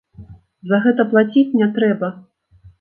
За гэта плаціць не трэба.